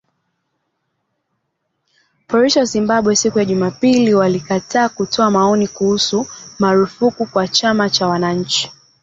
Polisi wa Zimbabwe siku ya Jumapili walikataa kutoa maoni kuhusu marufuku kwa chama cha wananchi